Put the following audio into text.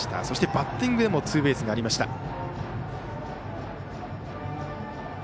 そして、バッティングでもツーベースがありました。